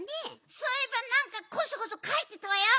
そういえばなんかコソコソかいてたわよ。